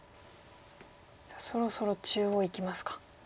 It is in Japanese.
そろそろ中央いきますか。